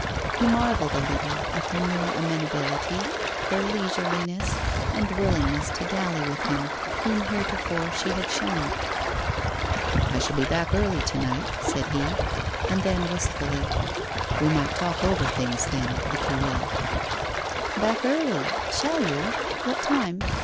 He marvelled a little at her new amenability, her leisureliness and willing ness to dally with him whom heretofore she had shunned. ' I shall be back early to night,' said he, and then, wist fully :' We might talk over things, if you will ?' 'Back early! Shall you? What time